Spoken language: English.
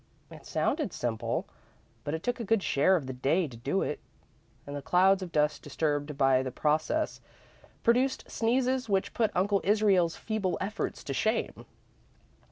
It sounded simple, but it took a good share of the day to do it, and the clouds of dust disturbed by the process produced sneezes which put Uncle Israel's feeble efforts to shame.